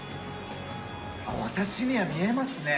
私には見えますね。